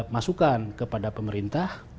masukan kepada pemerintah